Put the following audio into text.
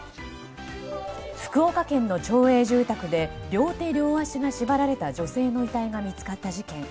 福岡県の町営住宅で両手両足が縛られた女性の遺体が見つかった事件。